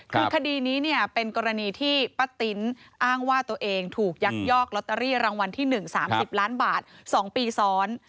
คือคดีนี้เป็นกรณีที่ป้าติ๊นอ้างว่าตัวเองถูกยักยอกลอตเตอรี่รางวัลที่๑๓๐ล้านบาท๒ปีซ้อน